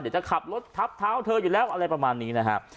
จะขับรถทับเท้าเธออยู่แล้วอะไรประมาณนี้นะฮะ